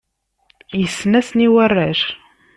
Yessen-asen i warrac.